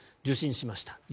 受診しました。